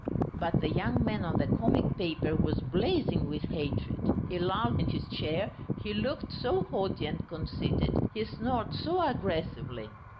But the young man on the comic paper was blazing with hatred, he lolled in his chair, he looked so haughty and conceited, he snorted so aggressively!